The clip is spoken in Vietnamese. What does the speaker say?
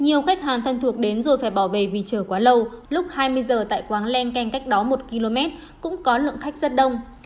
nhiều khách hàng thân thuộc đến rồi phải bỏ về vì chờ quá lâu lúc hai mươi giờ tại quán len ken cách đó một km cũng có lượng khách rất đông